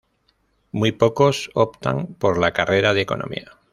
Muy pocos optan por la carrera de Economía.